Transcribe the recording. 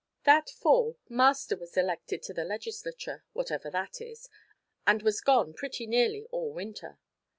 That fall Master was elected to the legislature whatever that is and was gone pretty nearly all winter.